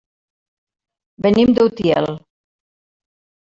Venim d'Utiel.